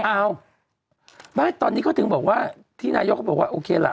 ไม่ตอนนี้ก็ถึงบอกว่าที่นายก็บอกว่าโอเคล่ะ